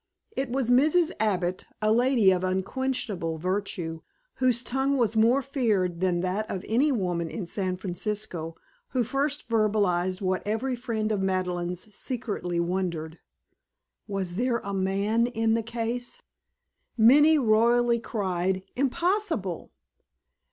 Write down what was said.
It was Mrs. Abbott, a lady of unquenchable virtue, whose tongue was more feared than that of any woman in San Francisco, who first verbalized what every friend of Madeleine's secretly wondered: Was there a man in the case? Many loyally cried, Impossible.